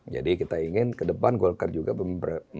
jadi kita ingin ke depan golkar juga berpengaruh